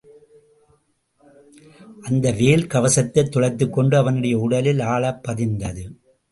அந்த வேல், கவசத்தைத் துளைத்துக் கொண்டு அவனுடைய உடலிலே, ஆழப் பதிந்தது.